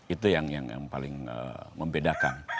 itu yang paling membedakan